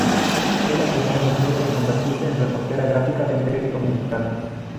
Fue la primera mujer en convertirse en reportera gráfica de un periódico mexicano.